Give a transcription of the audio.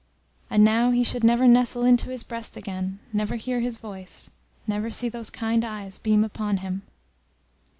And now he should never nestle into his breast again, never hear his voice, never see those kind eyes beam upon him.